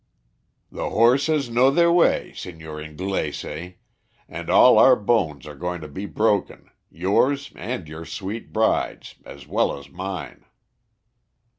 "The horses know the way, Signor Inglese, and all our bones are going to be broken, yours and your sweet bride's as well as mine."